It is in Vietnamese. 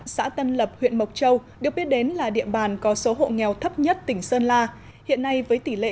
xã tân lập huyện mộc châu được biết đến là địa bàn có số hộ nghèo thấp nhất tỉnh sơn la hiện nay với tỷ lệ chỉ hai chín